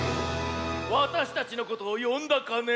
わたしたちのことをよんだかね？